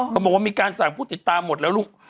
เขาบอกว่ามีการสั่งผู้ติดตามหมดแล้วลูก